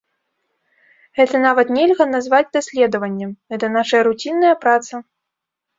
Гэта нават нельга назваць даследаваннем, гэта нашая руцінная праца.